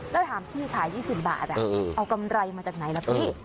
แล้วถามพี่ขาย๒๐บาทเอากำไรมาจากไหนล่ะพี่